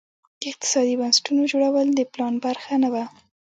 د اقتصادي بنسټونو جوړول د پلان برخه نه وه.